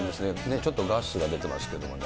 ちょっとガスが出てますけどね。